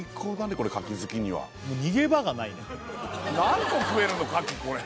これかき好きにはもう逃げ場がないね何個食えるのかきこれ？